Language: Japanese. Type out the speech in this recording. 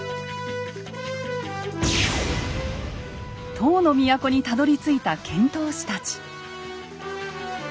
唐の都にたどりついた遣唐使たち。